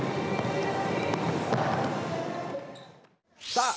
さあ